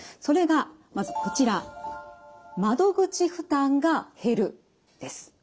それがまずこちら「窓口負担が減る」です。